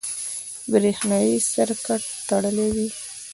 برېښنایي سرکټ تړلی وي.